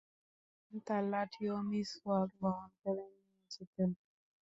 তার লাঠি ও মিসওয়াক বহন করে নিয়ে যেতেন।